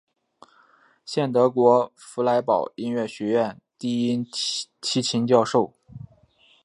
现德国弗莱堡音乐学院低音提琴教授。